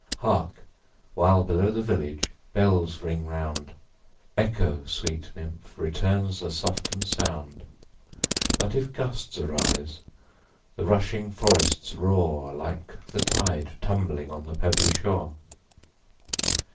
Hark, while below the village bells ring round, Echo, sweet nymph, returns the soften'd sound; But if gusts rise, the rushing forests roar, Like the tide tumbling on the pebbly shore.